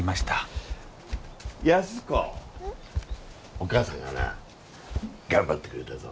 お母さんがな頑張ってくれたぞ。